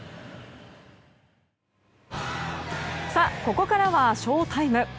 ここからはＳＨＯＴＩＭＥ！